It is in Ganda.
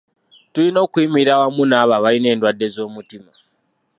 Tulina okuyimirira wamu n'abo abalina endwadde z'omutima